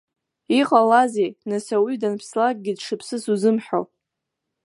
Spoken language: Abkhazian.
Иҟалазеи, нас ауаҩы данԥслакгьы дшыԥсыз узымҳәо.